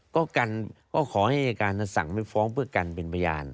ก็กันก็ขอให้อายการสั่งไม่ฟ้องเพื่อกันเป็นพยาน